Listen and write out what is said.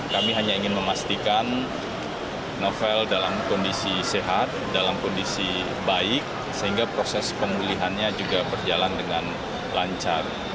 kami hanya ingin memastikan novel dalam kondisi sehat dalam kondisi baik sehingga proses pemulihannya juga berjalan dengan lancar